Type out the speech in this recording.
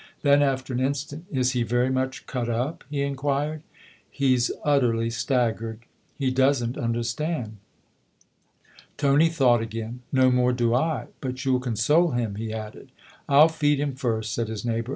Then, after an instant, " Is he very much cut up ?" he inquired. " He's utterly staggered. He doesn't understand." Tony thought again. " No more do I. But you'll console him," he added. "Til feed him first," said his neighbour.